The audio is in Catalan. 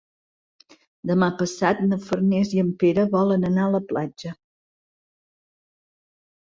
Demà passat na Farners i en Pere volen anar a la platja.